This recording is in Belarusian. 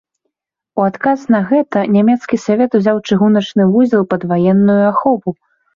У адказ на гэта нямецкі савет узяў чыгуначны вузел пад ваенную ахову.